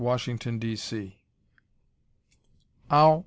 Washington, D. C. _Ow!